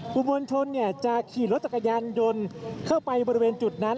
กลุ่มมวลชนจะขี่รถจักรยานยนต์เข้าไปบริเวณจุดนั้น